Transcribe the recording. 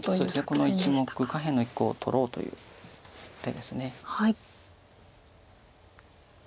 この１目下辺の１個を取ろうという手です。